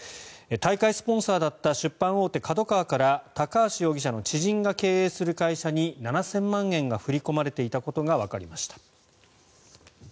大会スポンサーだった出版大手ＫＡＤＯＫＡＷＡから高橋容疑者の知人が経営する会社に７０００万円が振り込まれていたことがわかりました。